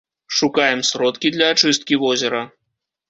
Шукаем сродкі для ачысткі возера.